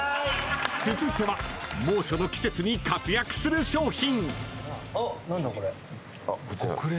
［続いては猛暑の季節に活躍する商品］